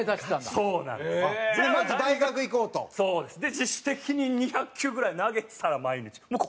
自主的に２００球ぐらい投げてたら毎日もう壊れちゃって。